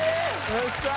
よっしゃ！